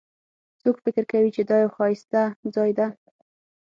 څوک فکر کوي چې دا یو ښایسته ځای ده